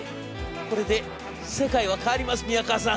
『これで世界は変わります宮河さん！』。